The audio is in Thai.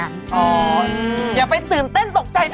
อย่าไปตื่นเต้นตกใจนะ